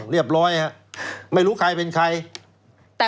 เรียบร้อยฮะไม่รู้ใครเป็นใคร